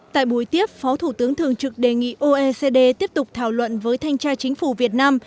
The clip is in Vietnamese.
tại buổi tiếp phó thủ tướng thường trực đề nghị oecd tiếp tục thảo luận với thanh tra chính phủ việt nam